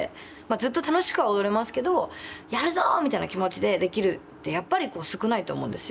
ずっと楽しくは踊れますけど「やるぞ！」みたいな気持ちでできるってやっぱり少ないと思うんですよ。